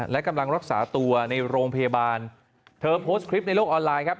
และกำลังรักษาตัวในโรงพยาบาลเธอโพสต์คลิปในโลกออนไลน์ครับ